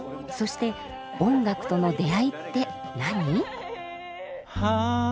そして音楽との出会いって何？